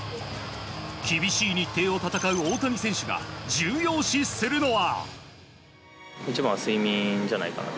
厳しい日程を戦う大谷選手が重要視するのは。